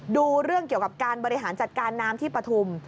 ดูเรื่องเกี่ยวกับการบริหารจัดการน้ำที่ปฐุม